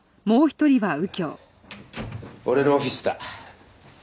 俺のオフィスだ。